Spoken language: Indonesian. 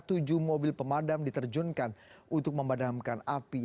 tujuh mobil pemadam diterjunkan untuk memadamkan api